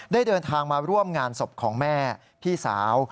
เดินทางมาร่วมงานศพของแม่พี่สาว